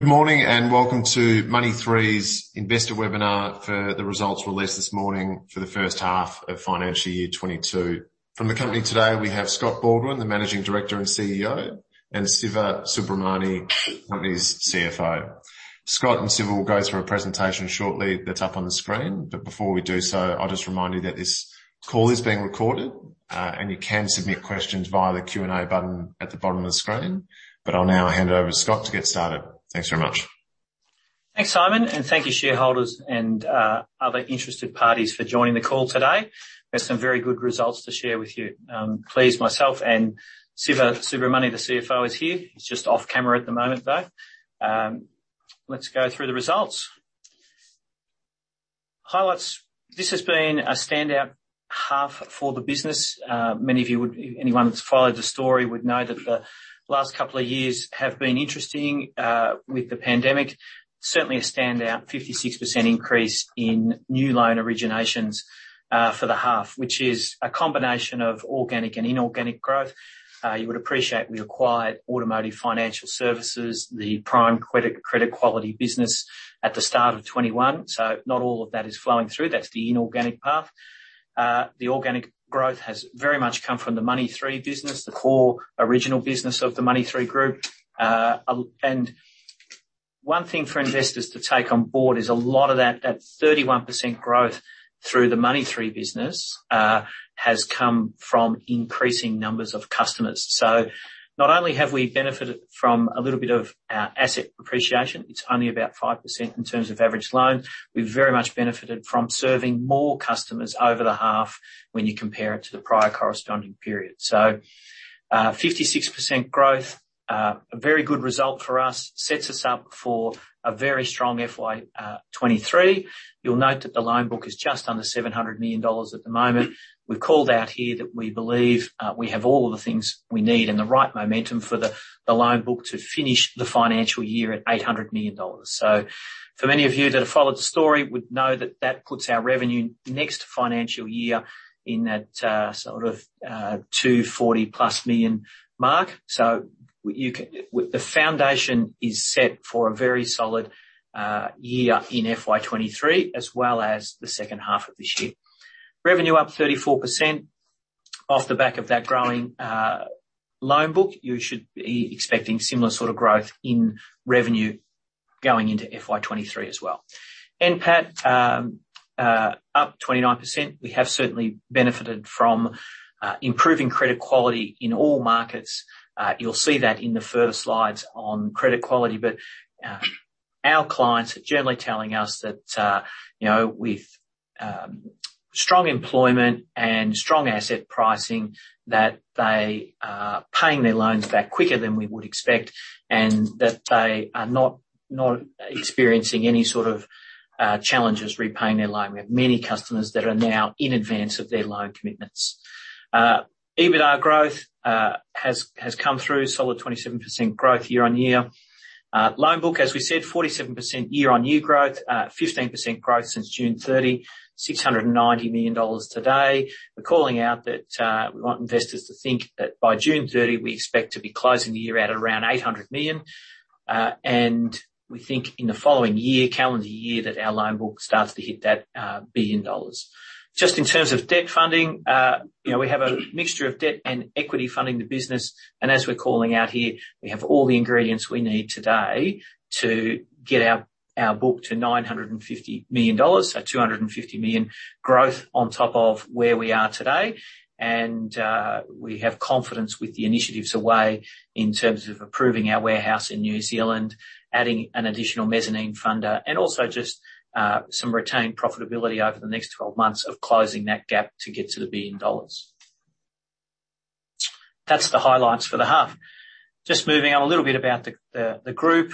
Good morning, and welcome to Money3's investor webinar for the results released this morning for the first half of financial year 2022. From the company today, we have Scott Baldwin, the Managing Director and CEO, and Siva Subramani, company's CFO. Scott and Siva will go through a presentation shortly that's up on the screen. Before we do so, I'll just remind you that this call is being recorded, and you can submit questions via the Q&A button at the bottom of the screen. I'll now hand it over to Scott to get started. Thanks very much. Thanks, Simon, and thank you, shareholders and other interested parties for joining the call today. We have some very good results to share with you. I'm pleased. Myself and Siva Subramani, the CFO, is here. He's just off camera at the moment, though. Let's go through the results. Highlights. This has been a standout half for the business. Anyone that's followed the story would know that the last couple of years have been interesting, with the pandemic. Certainly a standout 56% increase in new loan originations for the half, which is a combination of organic and inorganic growth. You would appreciate we acquired Automotive Financial Services, the prime credit quality business at the start of 2021, so not all of that is flowing through. That's the inorganic path. The organic growth has very much come from the Money3 business, the core original business of the Money3 group. One thing for investors to take on board is a lot of that 31% growth through the Money3 business has come from increasing numbers of customers. Not only have we benefited from a little bit of our asset appreciation, it's only about 5% in terms of average loan, we've very much benefited from serving more customers over the half when you compare it to the prior corresponding period. 56% growth, a very good result for us. Sets us up for a very strong FY 2023. You'll note that the loan book is just under 700 million dollars at the moment. We've called out here that we believe we have all of the things we need and the right momentum for the loan book to finish the financial year at 800 million dollars. For many of you that have followed the story would know that that puts our revenue next financial year in that sort of 240+ million mark. The foundation is set for a very solid year in FY 2023 as well as the second half of this year. Revenue up 34%. Off the back of that growing loan book, you should be expecting similar sort of growth in revenue going into FY 2023 as well. NPAT up 29%. We have certainly benefited from improving credit quality in all markets. You'll see that in the further slides on credit quality. Our clients are generally telling us that, you know, with strong employment and strong asset pricing, that they are paying their loans back quicker than we would expect, and that they are not experiencing any sort of challenges repaying their loan. We have many customers that are now in advance of their loan commitments. EBITDA growth has come through, solid 27% growth year-on-year. Loan book, as we said, 47% year-on-year growth. 15% growth since June 30, 690 million dollars today. We're calling out that we want investors to think that by June 30, we expect to be closing the year at around 800 million. We think in the following year, calendar year, that our loan book starts to hit that 1 billion dollars. Just in terms of debt funding, you know, we have a mixture of debt and equity funding the business, and as we're calling out here, we have all the ingredients we need today to get our book to 950 million dollars, so 250 million growth on top of where we are today. We have confidence with the initiatives away in terms of approving our warehouse in New Zealand, adding an additional mezzanine funder, and also just some retained profitability over the next twelve months of closing that gap to get to 1 billion dollars. That's the highlights for the half. Just moving on, a little bit about the group.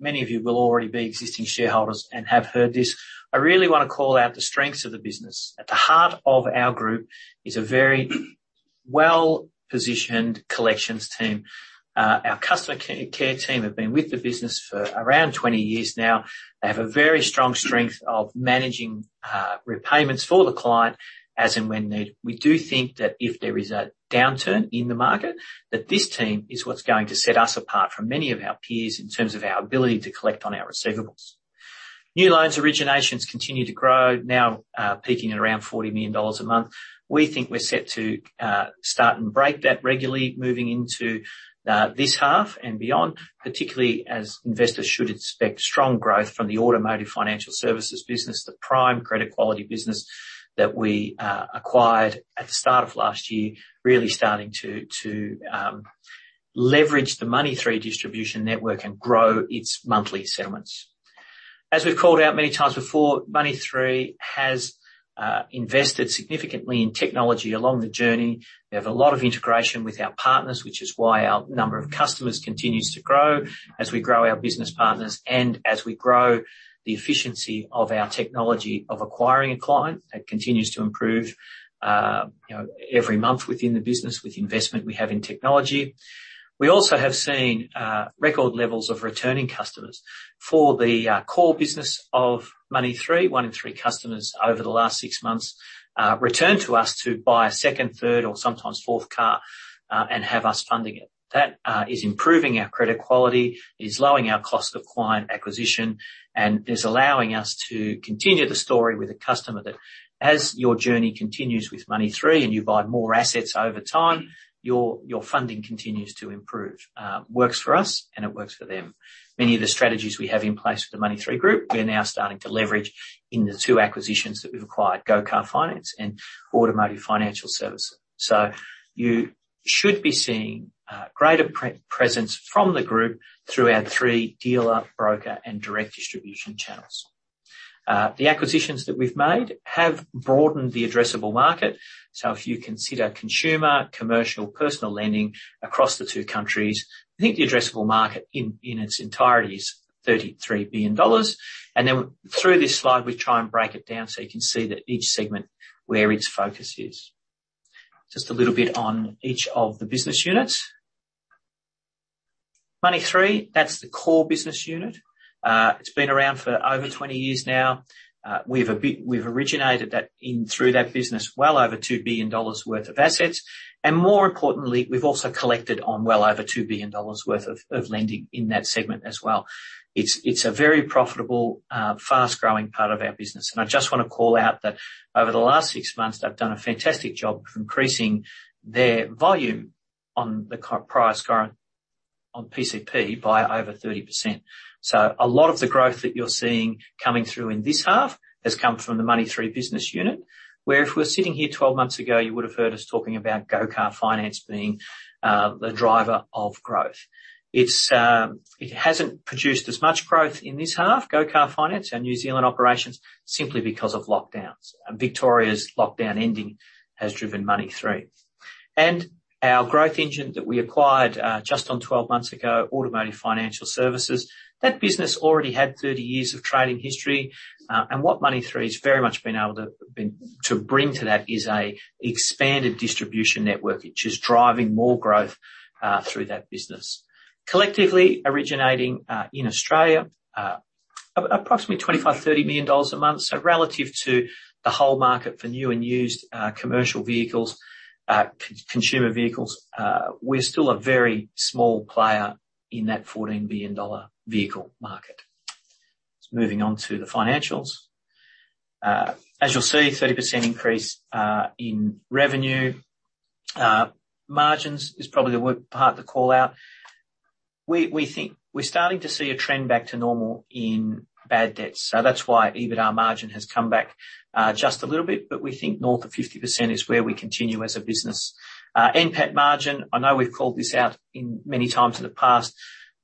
Many of you will already be existing shareholders and have heard this. I really wanna call out the strengths of the business. At the heart of our group is a very well-positioned collections team. Our customer care team have been with the business for around 20 years now. They have a very strong strength of managing repayments for the client as and when needed. We do think that if there is a downturn in the market, that this team is what's going to set us apart from many of our peers in terms of our ability to collect on our receivables. New loans originations continue to grow, now peaking at around 40 million dollars a month. We think we're set to start and break that regularly moving into this half and beyond, particularly as investors should expect strong growth from the Automotive Financial Services business, the prime credit quality business that we acquired at the start of last year, really starting to leverage the Money3 distribution network and grow its monthly settlements. As we've called out many times before, Money3 has invested significantly in technology along the journey. We have a lot of integration with our partners, which is why our number of customers continues to grow as we grow our business partners and as we grow the efficiency of our technology of acquiring a client. That continues to improve, you know, every month within the business with investment we have in technology. We also have seen record levels of returning customers. For the core business of Money3, one in three customers over the last six months return to us to buy a second, third or sometimes fourth car and have us funding it. That is improving our credit quality, is lowering our cost of client acquisition, and is allowing us to continue the story with a customer that as your journey continues with Money3 and you buy more assets over time, your funding continues to improve. Works for us and it works for them. Many of the strategies we have in place for the Money3 group, we're now starting to leverage in the two acquisitions that we've acquired, Go Car Finance and Automotive Financial Services. You should be seeing greater presence from the group through our three dealer, broker and direct distribution channels. The acquisitions that we've made have broadened the addressable market. If you consider consumer, commercial, personal lending across the two countries, I think the addressable market in its entirety is AUD 33 billion. Through this slide, we try and break it down so you can see that each segment where its focus is. Just a little bit on each of the business units. Money3, that's the core business unit. It's been around for over 20 years now. We've originated that through that business, well over 2 billion dollars worth of assets. More importantly, we've also collected on well over 2 billion dollars worth of lending in that segment as well. It's a very profitable, fast-growing part of our business. I just wanna call out that over the last six months, they've done a fantastic job of increasing their volume on the car price current on PCP by over 30%. A lot of the growth that you're seeing coming through in this half has come from the Money3 business unit, where if we were sitting here 12 months ago, you would have heard us talking about Go Car Finance being the driver of growth. It hasn't produced as much growth in this half, Go Car Finance, our New Zealand operations, simply because of lockdowns. Victoria's lockdown ending has driven Money3. Our growth engine that we acquired just on 12 months ago, Automotive Financial Services, that business already had 30 years of trading history. What Money3 has very much been able to bring to that is an expanded distribution network, which is driving more growth through that business. Collectively originating in Australia approximately 25 million-30 million dollars a month. Relative to the whole market for new and used commercial vehicles consumer vehicles, we're still a very small player in that 14 billion dollar vehicle market. Just moving on to the financials. As you'll see, 30% increase in revenue. Margins is probably the worst part to call out. We think we're starting to see a trend back to normal in bad debts. That's why EBITDA margin has come back just a little bit, but we think north of 50% is where we continue as a business. NPAT margin, I know we've called this out many times in the past.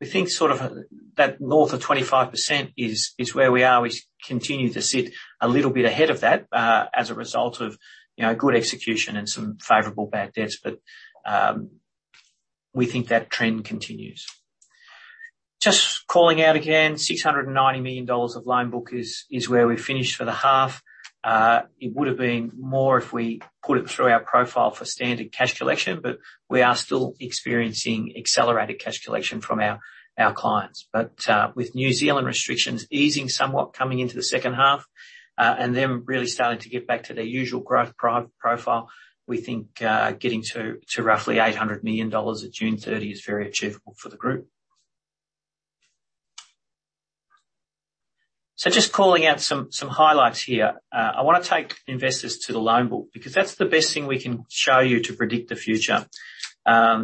We think sort of that north of 25% is where we are. We continue to sit a little bit ahead of that, as a result of, you know, good execution and some favorable bad debts. We think that trend continues. Just calling out again, 690 million dollars of loan book is where we finished for the half. It would have been more if we put it through our profile for standard cash collection, but we are still experiencing accelerated cash collection from our clients. With New Zealand restrictions easing somewhat coming into the second half, and them really starting to get back to their usual growth profile, we think getting to roughly 800 million dollars at June 30 is very achievable for the group. Just calling out some highlights here. I wanna take investors to the loan book because that's the best thing we can show you to predict the future. The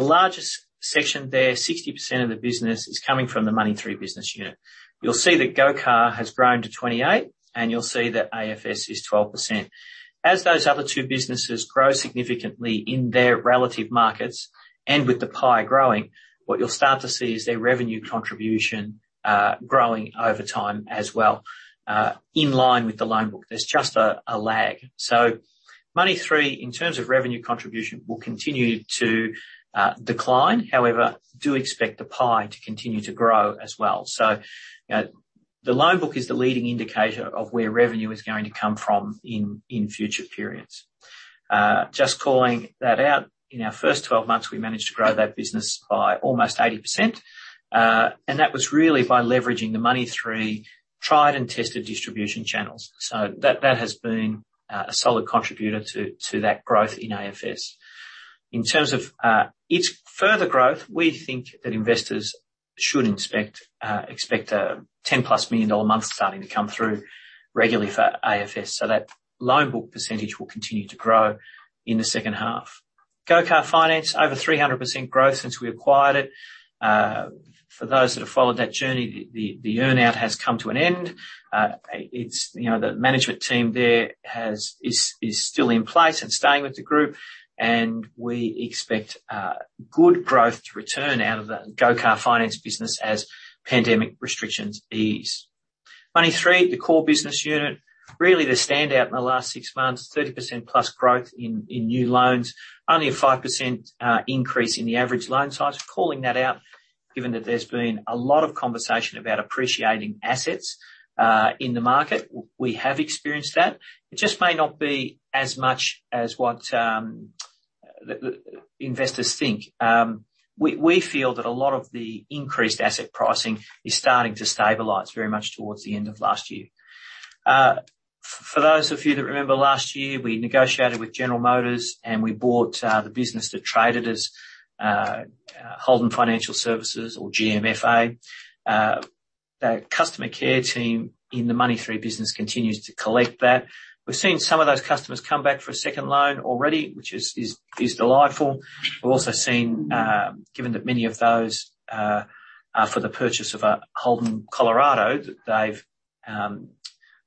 largest section there, 60% of the business is coming from the Money3 business unit. You'll see that Go Car has grown to 28, and you'll see that AFS is 12%. As those other two businesses grow significantly in their relative markets, and with the pie growing, what you'll start to see is their revenue contribution growing over time as well, in line with the loan book. There's just a lag. Money3, in terms of revenue contribution, will continue to decline. However, do expect the pie to continue to grow as well. The loan book is the leading indicator of where revenue is going to come from in future periods. Just calling that out. In our first 12 months, we managed to grow that business by almost 80%. That was really by leveraging the Money3 tried and tested distribution channels. That has been a solid contributor to that growth in AFS. In terms of its further growth, we think that investors should expect 10+ million dollar a month starting to come through regularly for AFS. That loan book percentage will continue to grow in the second half. Go Car Finance, over 300% growth since we acquired it. For those that have followed that journey, the earn-out has come to an end. It's the management team there is still in place and staying with the group, and we expect good growth to return out of that Go Car Finance business as pandemic restrictions ease. Money3, the core business unit, really the standout in the last six months, 30%+ growth in new loans. Only a 5% increase in the average loan size. Calling that out, given that there's been a lot of conversation about appreciating assets in the market. We have experienced that. It just may not be as much as what the investors think. We feel that a lot of the increased asset pricing is starting to stabilize very much towards the end of last year. For those of you that remember last year, we negotiated with General Motors, and we bought the business that traded as Holden Financial Services or GMF Australia. That customer care team in the Money3 business continues to collect that. We've seen some of those customers come back for a second loan already, which is delightful. We've also seen given that many of those are for the purchase of a Holden Colorado that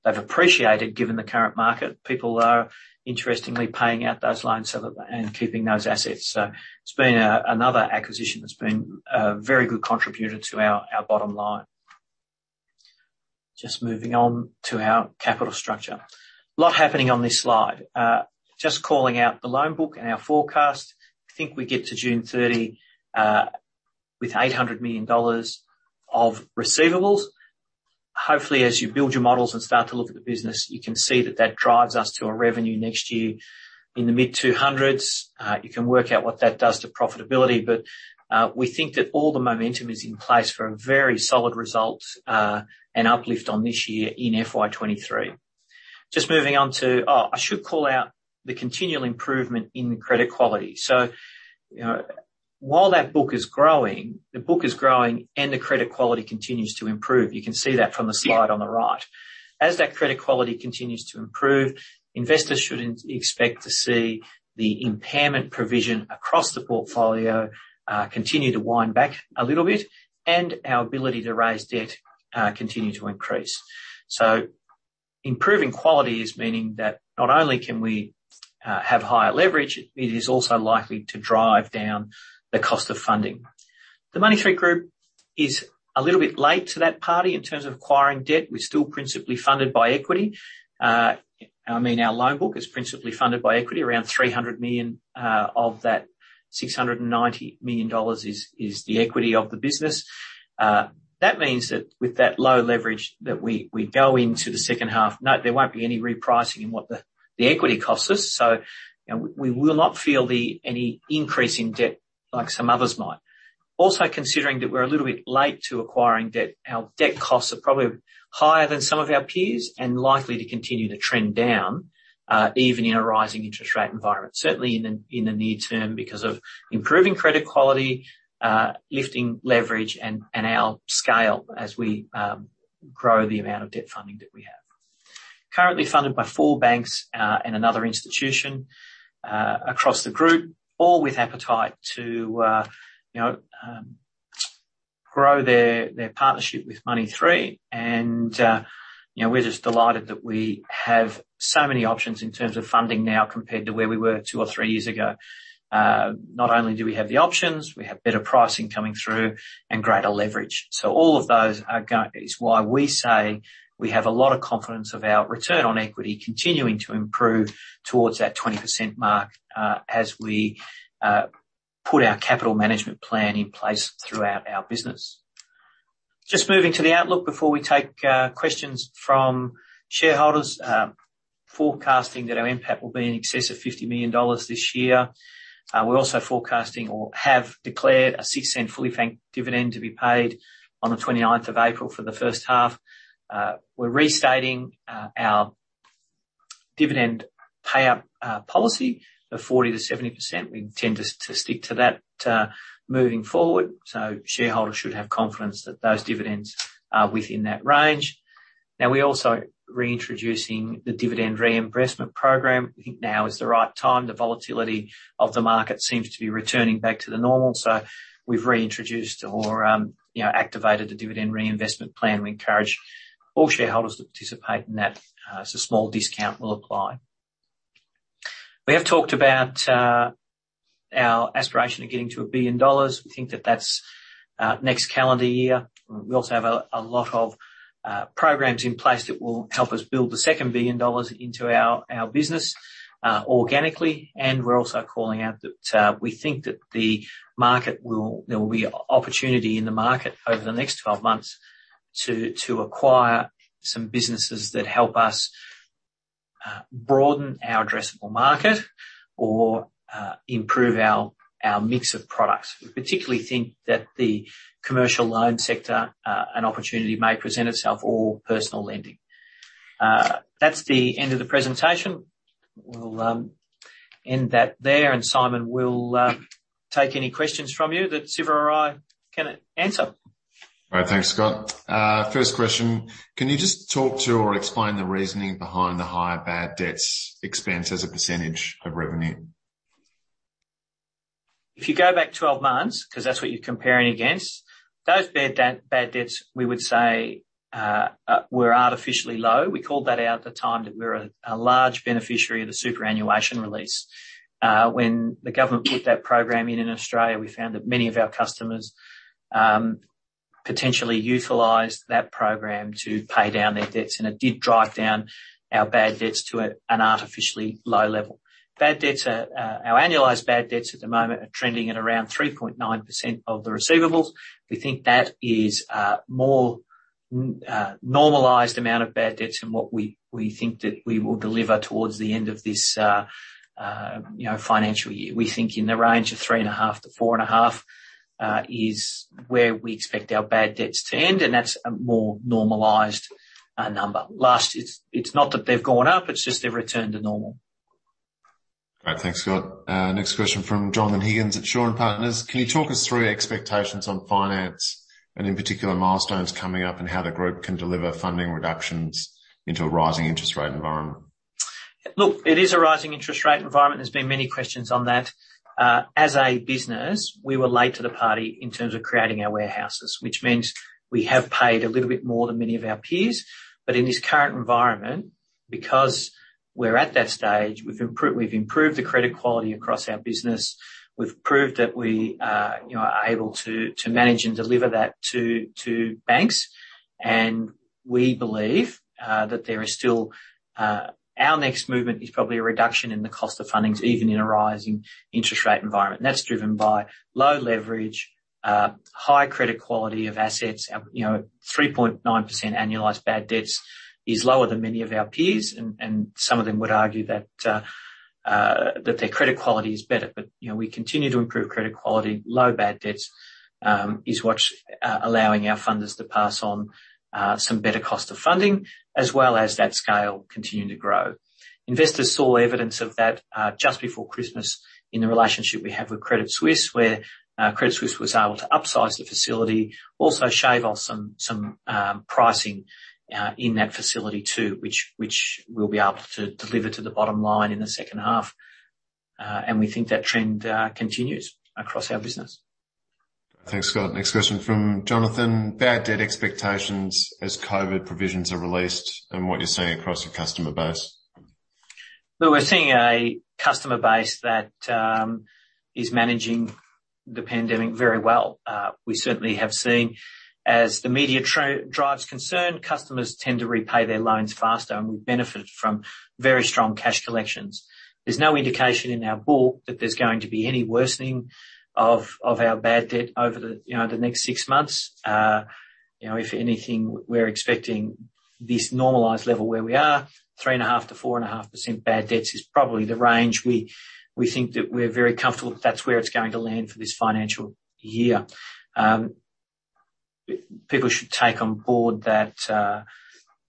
they've appreciated given the current market. People are interestingly paying out those loans so that they keep those assets. It's been another acquisition that's been a very good contributor to our bottom line. Just moving on to our capital structure. A lot happening on this slide. Just calling out the loan book and our forecast. I think we get to June 30 with 800 million dollars of receivables. Hopefully, as you build your models and start to look at the business, you can see that that drives us to a revenue next year in the mid-200s. You can work out what that does to profitability, but we think that all the momentum is in place for a very solid result and uplift on this year in FY 2023. Just moving on to the continual improvement in credit quality. You know, while that book is growing, the book is growing and the credit quality continues to improve. You can see that from the slide on the right. As that credit quality continues to improve, investors should expect to see the impairment provision across the portfolio continue to wind back a little bit, and our ability to raise debt continue to increase. Improving quality is meaning that not only can we have higher leverage, it is also likely to drive down the cost of funding. The Money3 group is a little bit late to that party in terms of acquiring debt. We're still principally funded by equity. I mean, our loan book is principally funded by equity. Around 300 million of that 690 million dollars is the equity of the business. That means that with that low leverage that we go into the second half. No, there won't be any repricing in what the equity costs us, so you know, we will not feel any increase in debt like some others might. Also, considering that we're a little bit late to acquiring debt, our debt costs are probably higher than some of our peers and likely to continue to trend down, even in a rising interest rate environment. Certainly in the near term because of improving credit quality, lifting leverage and our scale as we grow the amount of debt funding that we have. Currently funded by four banks and another institution across the group, all with appetite to you know grow their partnership with Money3. You know, we're just delighted that we have so many options in terms of funding now compared to where we were two or three years ago. Not only do we have the options, we have better pricing coming through and greater leverage. All of those is why we say we have a lot of confidence of our return on equity continuing to improve towards that 20% mark, as we put our capital management plan in place throughout our business. Just moving to the outlook before we take questions from shareholders. Forecasting that our NPAT will be in excess of 50 million dollars this year. We're also forecasting or have declared a 6 cent fully franked dividend to be paid on the 29th of April for the first half. We're restating our dividend payout policy of 40%-70%. We tend to stick to that moving forward, so shareholders should have confidence that those dividends are within that range. Now, we're also reintroducing the dividend reinvestment program. We think now is the right time. The volatility of the market seems to be returning back to the normal, so we've reintroduced or, you know, activated the dividend reinvestment plan. We encourage all shareholders to participate in that, as a small discount will apply. We have talked about our aspiration of getting to 1 billion dollars. We think that that's next calendar year. We also have a lot of programs in place that will help us build the second 1 billion dollars into our business organically. We're also calling out that we think that there will be opportunity in the market over the next 12 months to acquire some businesses that help us broaden our addressable market or improve our mix of products. We particularly think that the commercial loan sector, an opportunity may present itself or personal lending. That's the end of the presentation. We'll end that there, and Simon will take any questions from you that Siva or I can answer. All right. Thanks, Scott. First question, can you just talk to or explain the reasoning behind the higher bad debts expense as a percentage of revenue? If you go back 12 months, 'cause that's what you're comparing against, those bad debts, we would say, were artificially low. We called that out at the time that we were a large beneficiary of the superannuation release. When the government put that program in in Australia, we found that many of our customers potentially utilized that program to pay down their debts, and it did drive down our bad debts to an artificially low level. Bad debts are our annualized bad debts at the moment are trending at around 3.9% of the receivables. We think that is more normalized amount of bad debts and what we think that we will deliver towards the end of this, you know, financial year. We think in the range of 3.5%-4.5% is where we expect our bad debts to end, and that's a more normalized number. It's not that they've gone up, it's just they've returned to normal. All right, thanks, Scott. Next question from Jonathon Higgins at Shaw and Partners. Can you talk us through expectations on finance and in particular milestones coming up and how the group can deliver funding reductions into a rising interest rate environment? Look, it is a rising interest rate environment. There's been many questions on that. As a business, we were late to the party in terms of creating our warehouses, which means we have paid a little bit more than many of our peers. But in this current environment, because we're at that stage, we've improved the credit quality across our business, we've proved that we are, you know, are able to manage and deliver that to banks. We believe that there is still. Our next movement is probably a reduction in the cost of fundings, even in a rising interest rate environment, and that's driven by low leverage, high credit quality of assets. You know, 3.9% annualized bad debts is lower than many of our peers, and some of them would argue that their credit quality is better. You know, we continue to improve credit quality. Low bad debts is what's allowing our funders to pass on some better cost of funding, as well as that scale continuing to grow. Investors saw evidence of that just before Christmas in the relationship we have with Credit Suisse, where Credit Suisse was able to upsize the facility, also shave off some pricing in that facility too, which we'll be able to deliver to the bottom line in the second half. We think that trend continues across our business. Thanks, Scott. Next question from Jonathan. Bad debt expectations as COVID provisions are released and what you're seeing across your customer base. Well, we're seeing a customer base that is managing the pandemic very well. We certainly have seen as the media drives concern, customers tend to repay their loans faster, and we've benefited from very strong cash collections. There's no indication in our book that there's going to be any worsening of our bad debt over the next six months. You know, if anything, we're expecting this normalized level where we are, 3.5%-4.5% bad debts is probably the range. We think that we're very comfortable that's where it's going to land for this financial year. People should take on board that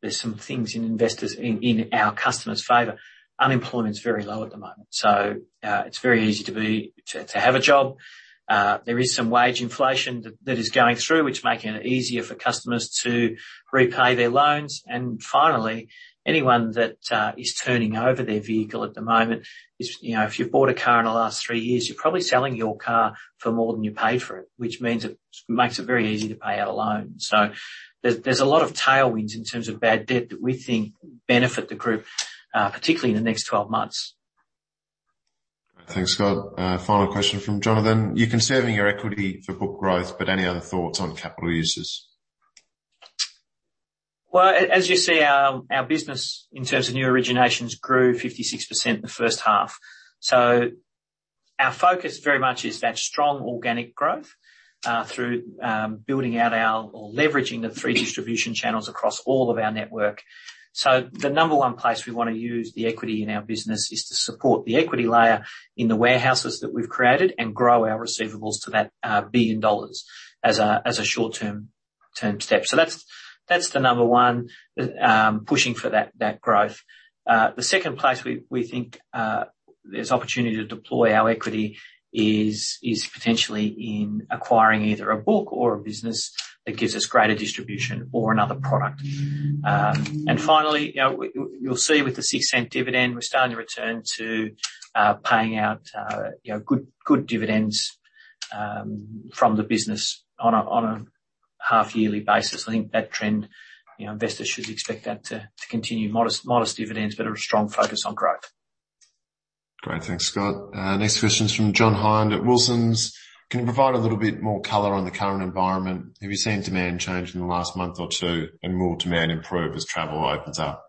there's some things in our customers' favor. Unemployment is very low at the moment, so it's very easy to have a job. There is some wage inflation that is going through, which is making it easier for customers to repay their loans. Finally, anyone that is turning over their vehicle at the moment is, you know, if you've bought a car in the last three years, you're probably selling your car for more than you paid for it, which means it makes it very easy to pay out a loan. There's a lot of tailwinds in terms of bad debt that we think benefit the group, particularly in the next 12 months. Thanks, Scott. Final question from Jonathan. You're conserving your equity for book growth, but any other thoughts on capital uses? Well, as you see, our business in terms of new originations grew 56% in the first half. Our focus very much is that strong organic growth through building out or leveraging the three distribution channels across all of our network. The number one place we wanna use the equity in our business is to support the equity layer in the warehouses that we've created and grow our receivables to that 1 billion dollars as a short-term step. That's the number one pushing for that growth. The second place we think there's opportunity to deploy our equity is potentially in acquiring either a book or a business that gives us greater distribution or another product. Finally, you know, you'll see with the 0.06 dividend, we're starting to return to paying out, you know, good dividends from the business on a half-yearly basis. I think that trend, you know, investors should expect that to continue. Modest dividends, but a strong focus on growth. Great. Thanks, Scott. Next question is from John Hynd at Wilsons. Can you provide a little bit more color on the current environment? Have you seen demand change in the last month or two? And will demand improve as travel opens up?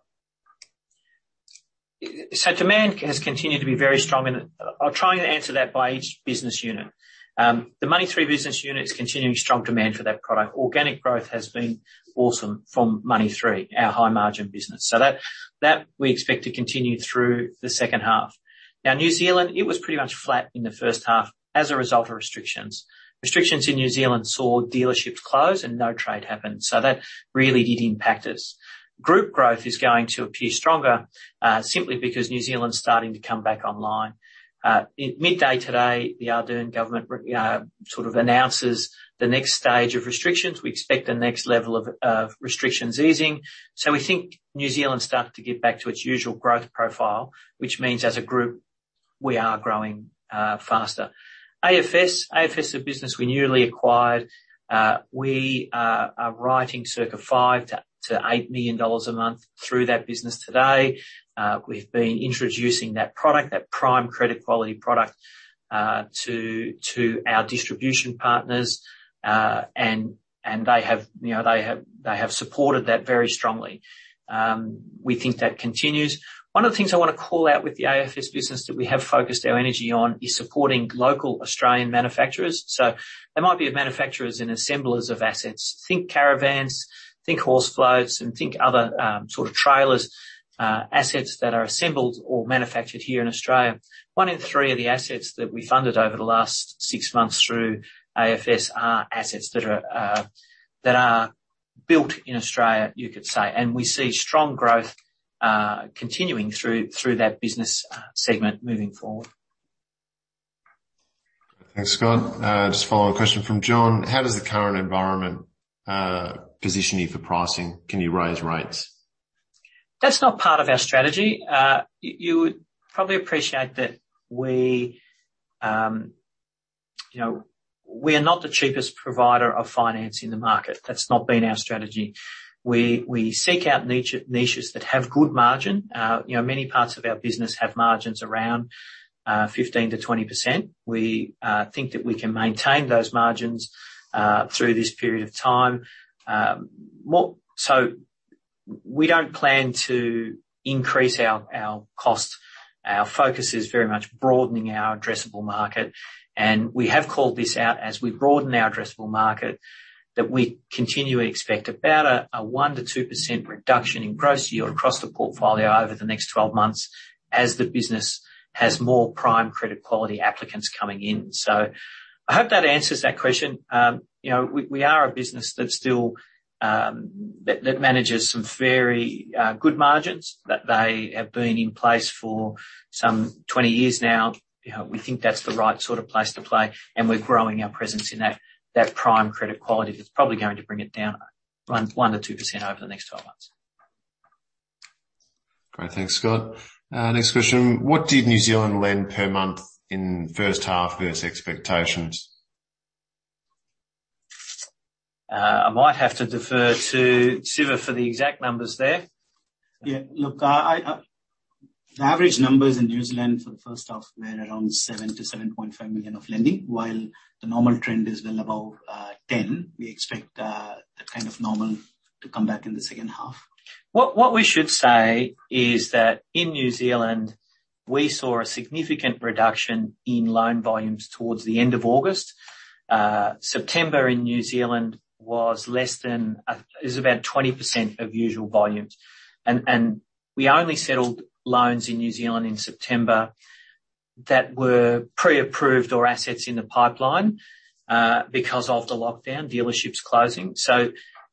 Demand has continued to be very strong, and I'll try and answer that by each business unit. The Money3 business unit is continuing strong demand for that product. Organic growth has been awesome from Money3, our high margin business. That we expect to continue through the second half. Now, New Zealand, it was pretty much flat in the first half as a result of restrictions. Restrictions in New Zealand saw dealerships close and no trade happened, so that really did impact us. Group growth is going to appear stronger, simply because New Zealand's starting to come back online. Midday today, the Ardern government sort of announces the next stage of restrictions. We expect the next level of restrictions easing. We think New Zealand's starting to get back to its usual growth profile, which means as a group, we are growing faster. AFS. AFS, a business we newly acquired. We are writing circa 5 million-8 million dollars a month through that business today. We've been introducing that product, that prime credit quality product, to our distribution partners. And they have, you know, they have supported that very strongly. We think that continues. One of the things I wanna call out with the AFS business that we have focused our energy on is supporting local Australian manufacturers. They might be manufacturers and assemblers of assets. Think caravans, think horse floats, and think other sort of trailers, assets that are assembled or manufactured here in Australia. 1/3 of the assets that we funded over the last six months through AFS are assets that are built in Australia, you could say. We see strong growth continuing through that business segment moving forward. Thanks, Scott. Just a follow-up question from John: How does the current environment position you for pricing? Can you raise rates? That's not part of our strategy. You would probably appreciate that we, you know, we are not the cheapest provider of finance in the market. That's not been our strategy. We seek out niche, niches that have good margin. You know, many parts of our business have margins around 15%-20%. We think that we can maintain those margins through this period of time. So we don't plan to increase our cost. Our focus is very much broadening our addressable market. We have called this out as we broaden our addressable market, that we continually expect about a 1%-2% reduction in gross yield across the portfolio over the next twelve months as the business has more prime credit quality applicants coming in. I hope that answers that question. You know, we are a business that's still that manages some very good margins that have been in place for some 20 years now. You know, we think that's the right sort of place to play, and we're growing our presence in that prime credit quality that's probably going to bring it down 1%-2% over the next 12 months. Great. Thanks, Scott. Next question: What did New Zealand lend per month in first half versus expectations? I might have to defer to Siva for the exact numbers there. Yeah. Look, the average numbers in New Zealand for the first half were around 7 million-7.5 million of lending, while the normal trend is well above 10 million. We expect that kind of normal to come back in the second half. What we should say is that in New Zealand, we saw a significant reduction in loan volumes towards the end of August. September in New Zealand was about 20% of usual volumes. We only settled loans in New Zealand in September that were pre-approved or assets in the pipeline because of the lockdown, dealerships closing.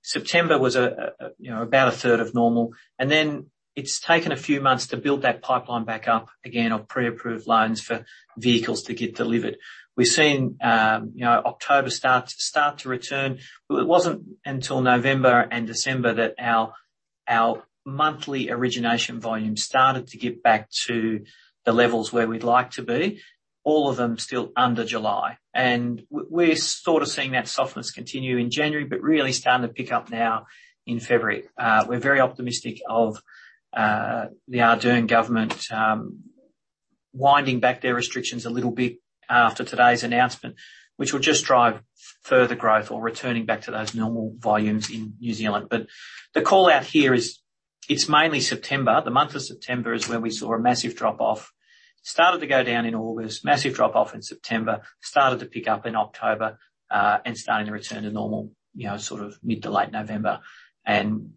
September was, you know, about a third of normal. Then it's taken a few months to build that pipeline back up again of pre-approved loans for vehicles to get delivered. We've seen, you know, October start to return. It wasn't until November and December that our monthly origination volume started to get back to the levels where we'd like to be, all of them still under July. We're sort of seeing that softness continue in January but really starting to pick up now in February. We're very optimistic of the Ardern government winding back their restrictions a little bit after today's announcement, which will just drive further growth or returning back to those normal volumes in New Zealand. The call-out here is it's mainly September. The month of September is when we saw a massive drop-off. Started to go down in August, massive drop-off in September, started to pick up in October, and starting to return to normal, you know, sort of mid to late November.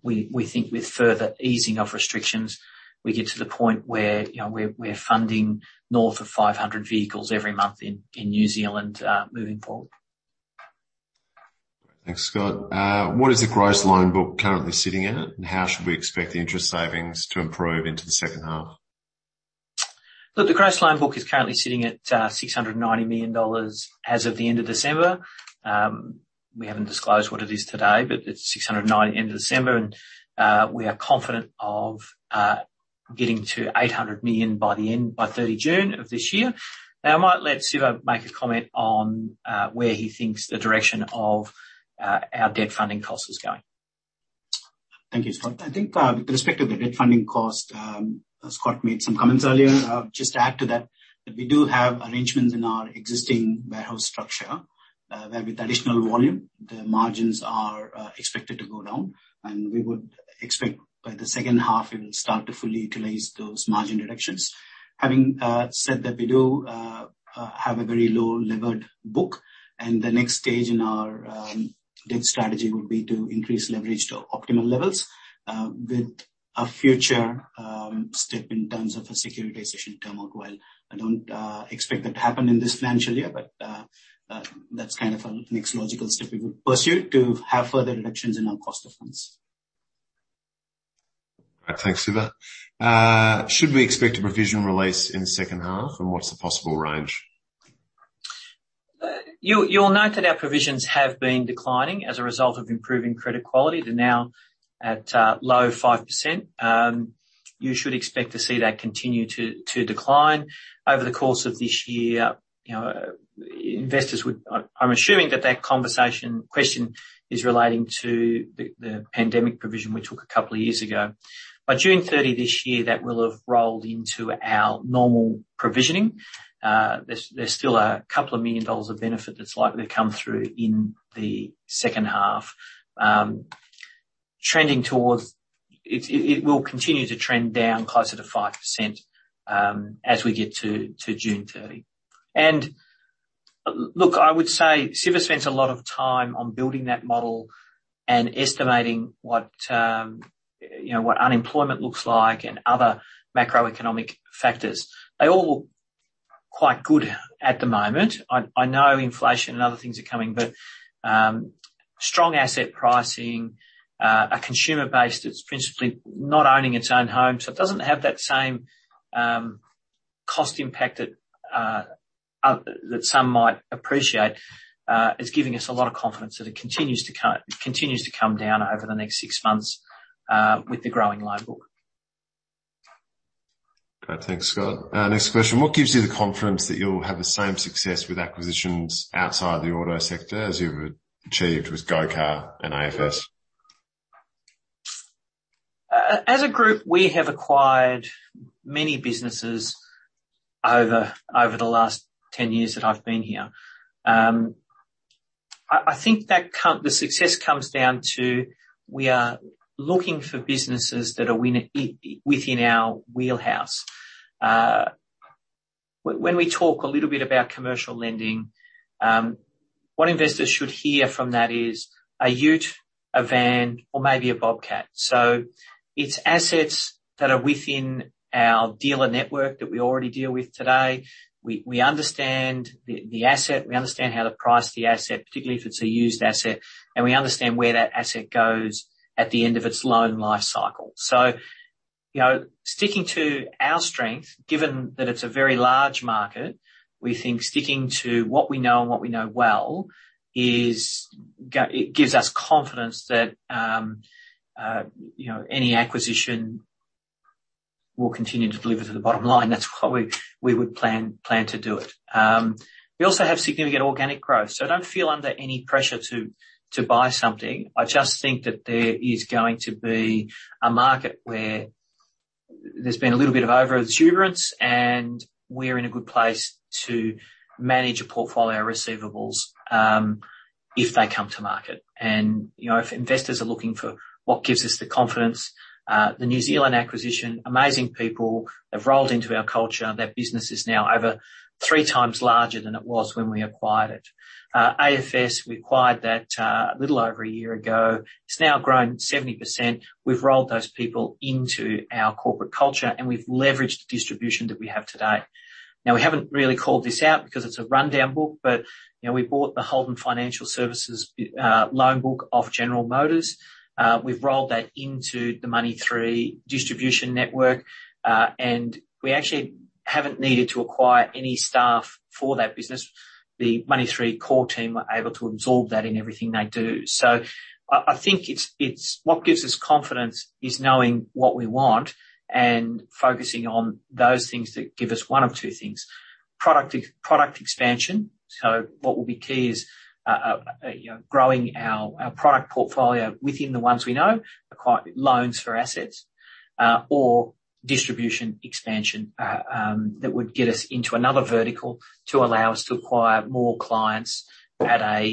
We think with further easing of restrictions, we get to the point where, you know, we're funding north of 500 vehicles every month in New Zealand moving forward. Thanks, Scott. What is the gross loan book currently sitting at, and how should we expect the interest savings to improve into the second half? Look, the gross loan book is currently sitting at 690 million dollars as of the end of December. We haven't disclosed what it is today, but it's 690 million at the end of December, and we are confident of getting to 800 million by 30 June of this year. Now, I might let Siva make a comment on where he thinks the direction of our debt funding cost is going. Thank you, Scott. I think with respect to the debt funding cost, as Scott made some comments earlier, just to add to that we do have arrangements in our existing warehouse structure, where with additional volume, the margins are expected to go down, and we would expect by the second half we will start to fully utilize those margin reductions. Having said that, we do have a very low levered book, and the next stage in our debt strategy would be to increase leverage to optimal levels, with a future step in terms of a securitization term out. While I don't expect that to happen in this financial year, but that's kind of a next logical step we would pursue to have further reductions in our cost of funds. All right. Thanks, Siva. Should we expect a provision release in the second half, and what's the possible range? You'll note that our provisions have been declining as a result of improving credit quality. They're now at low 5%. You should expect to see that continue to decline over the course of this year. You know, I'm assuming that conversation question is relating to the pandemic provision we took a couple of years ago. By June 30 this year, that will have rolled into our normal provisioning. There's still a couple of million AUD of benefit that's likely to come through in the second half. It will continue to trend down closer to 5%, as we get to June 30. Look, I would say Siva spends a lot of time on building that model and estimating what, you know, what unemployment looks like and other macroeconomic factors. They're all quite good at the moment. I know inflation and other things are coming, but strong asset pricing, a consumer base that's principally not owning its own home, so it doesn't have that same cost impact that some might appreciate, is giving us a lot of confidence that it continues to come down over the next six months with the growing loan book. Thanks, Scott. Next question. What gives you the confidence that you'll have the same success with acquisitions outside the auto sector as you've achieved with GoCar and AFS? As a group, we have acquired many businesses over the last 10 years that I've been here. I think the success comes down to we are looking for businesses that are within our wheelhouse. When we talk a little bit about commercial lending, what investors should hear from that is a ute, a van or maybe a bobcat. It's assets that are within our dealer network that we already deal with today. We understand the asset, we understand how to price the asset, particularly if it's a used asset, and we understand where that asset goes at the end of its loan life cycle. You know, sticking to our strength, given that it's a very large market, we think sticking to what we know and what we know well it gives us confidence that any acquisition will continue to deliver to the bottom line. That's why we would plan to do it. We also have significant organic growth, so I don't feel under any pressure to buy something. I just think that there is going to be a market where there's been a little bit of overexuberance, and we're in a good place to manage a portfolio of receivables if they come to market. You know, if investors are looking for what gives us the confidence, the New Zealand acquisition, amazing people. They've rolled into our culture. Their business is now over three times larger than it was when we acquired it. AFS, we acquired that a little over a year ago. It's now grown 70%. We've rolled those people into our corporate culture, and we've leveraged the distribution that we have today. Now, we haven't really called this out because it's a rundown book, but you know, we bought the Holden Financial Services loan book off General Motors. We've rolled that into the Money3 distribution network. And we actually haven't needed to acquire any staff for that business. The Money3 core team were able to absorb that in everything they do. I think it's what gives us confidence is knowing what we want and focusing on those things that give us one of two things. Product expansion. What will be key is, you know, growing our product portfolio within the ones we know, acquire loans for assets, or distribution expansion, that would get us into another vertical to allow us to acquire more clients at a,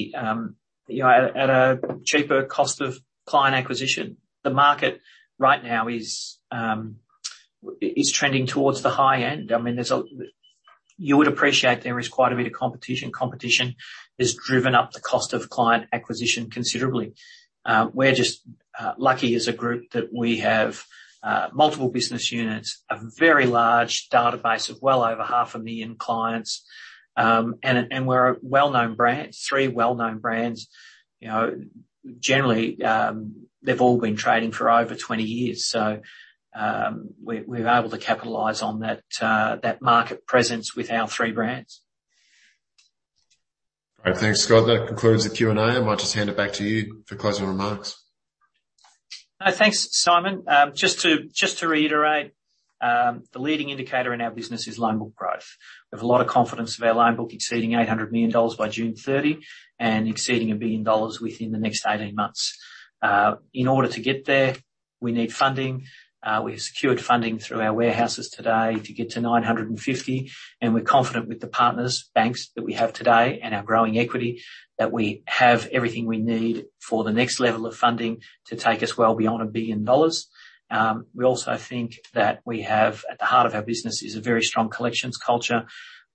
you know, at a cheaper cost of client acquisition. The market right now is trending towards the high end. I mean, you would appreciate there is quite a bit of competition. Competition has driven up the cost of client acquisition considerably. We're just lucky as a group that we have multiple business units, a very large database of well over half a million clients. And we're a well-known brand, three well-known brands. You know, generally, they've all been trading for over 20 years. We're able to capitalize on that market presence with our three brands. All right. Thanks, Scott. That concludes the Q&A. I might just hand it back to you for closing remarks. Thanks, Simon. Just to reiterate, the leading indicator in our business is loan book growth. We have a lot of confidence of our loan book exceeding 800 million dollars by June 30 and exceeding 1 billion dollars within the next 18 months. In order to get there, we need funding. We've secured funding through our warehouses today to get to 950 million, and we're confident with the partners, banks that we have today and our growing equity, that we have everything we need for the next level of funding to take us well beyond 1 billion dollars. We also think that at the heart of our business is a very strong collections culture,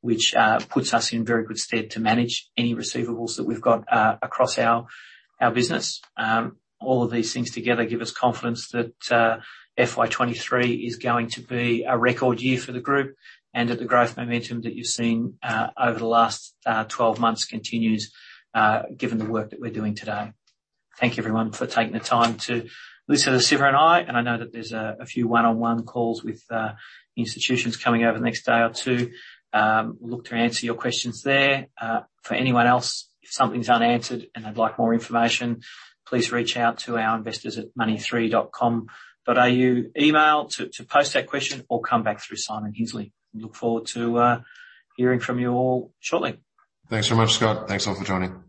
which puts us in very good stead to manage any receivables that we've got across our business. All of these things together give us confidence that FY 2023 is going to be a record year for the group, and that the growth momentum that you've seen over the last 12 months continues, given the work that we're doing today. Thank you, everyone, for taking the time to listen to Siva and I. I know that there's a few one-on-one calls with institutions coming over the next day or two. We'll look to answer your questions there. For anyone else, if something's unanswered and they'd like more information, please reach out to our investors at money3.com.au email to post that question or come back through Simon Hinsley. We look forward to hearing from you all shortly. Thanks so much, Scott. Thanks all for joining.